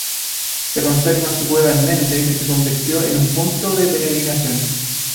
Se conserva su cueva en Mende, que se convirtió en punto de peregrinación.